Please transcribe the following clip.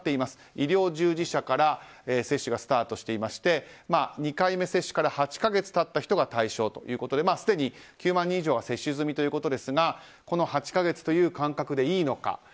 医療従事者から接種がスタートしていまして２回目接種から８か月経った人が対象ということですでに９万人以上が接種済みということですがこの８か月という間隔でいいのか。